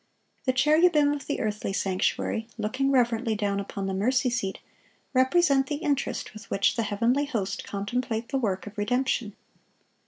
The cherubim of the earthly sanctuary, looking reverently down upon the mercy seat, represent the interest with which the heavenly host contemplate the work of redemption.